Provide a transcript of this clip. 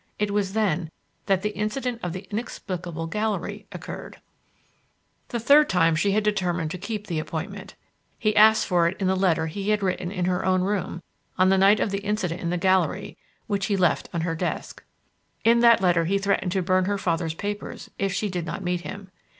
It was then that the incident of the "inexplicable gallery" occurred. The third time she had determined to keep the appointment. He asked for it in the letter he had written in her own room, on the night of the incident in the gallery, which he left on her desk. In that letter he threatened to burn her father's papers if she did not meet him.